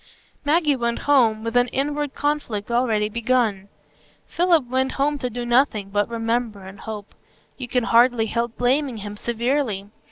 Maggie went home, with an inward conflict already begun; Philip went home to do nothing but remember and hope. You can hardly help blaming him severely.